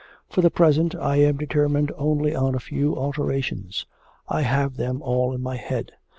For the present I am determined only on a few alterations. I have them all in my head.